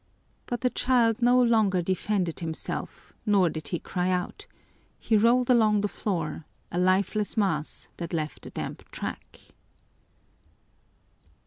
But the child no longer defended himself nor did he cry out; he rolled along the floor, a lifeless mass that left a damp track.